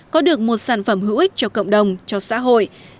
có được một sản phẩm hữu ích cho cộng đồng cho xã hội